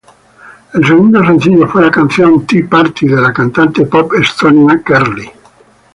El segundo sencillo fue la canción Tea Party de la cantante pop estonia Kerli.